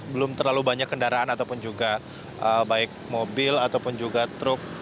belum terlalu banyak kendaraan ataupun juga baik mobil ataupun juga truk